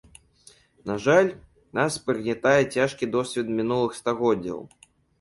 На жаль, нас прыгнятае цяжкі досвед мінулых стагоддзяў.